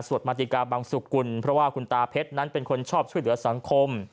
มาติกาบังสุกุลเพราะว่าคุณตาเพชรนั้นเป็นคนชอบช่วยเหลือสังคม